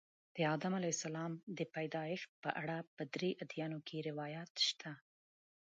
د آدم علیه السلام د پیدایښت په اړه په درې ادیانو کې روایات شته.